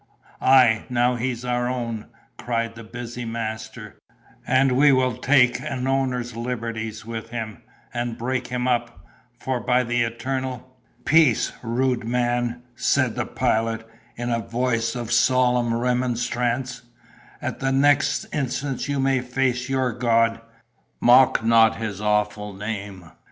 "Ay, now he's our own!" cried the busy master, "and we will take an owner's liberties with him, and break him up—for by the eternal—" "Peace, rude man," said the Pilot, in a voice of solemn remonstrance; "at the next instant you may face your God; mock not his awful name!"